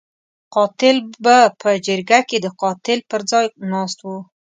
قاتل به په جرګه کې د قاتل پر ځای ناست وو.